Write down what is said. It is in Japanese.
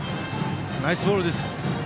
ナイスボールです。